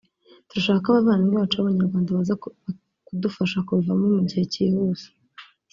turashaka ko abavandimwe bacu b’Abanyarwanda baza kudufasha kubivamo mu gihe kihuse